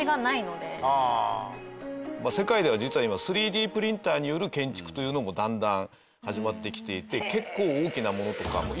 世界では実は今３Ｄプリンターによる建築というのもだんだん始まってきていて結構大きなものとかも。